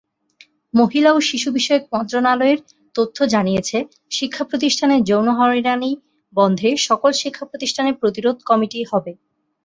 মহিলা ও শিশু বিষয়ক মন্ত্রণালয়ের তথ্য জানিয়েছে শিক্ষা প্রতিষ্ঠানে যৌন হয়রানি বন্ধে সকল শিক্ষা প্রতিষ্ঠানে প্রতিরোধ কমিটি হবে।